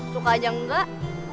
suka aja enggak